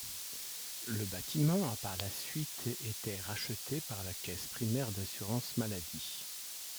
Le batiment a par la suite était racheté par la Caisse primaire d'assurance maladie.